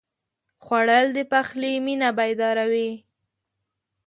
خوړل د پخلي مېنه بیداروي